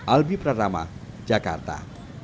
albi pradama jakarta